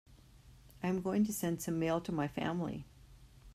I am going to send some mail to my family.